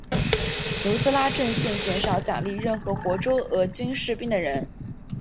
努斯拉阵线悬赏奖励任何活捉俄军士兵的人。